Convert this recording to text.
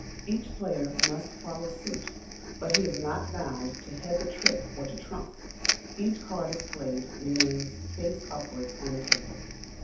Each player must follow suit, but he is not bound to head the trick or to trump. Each card as played remains face upwards on the table.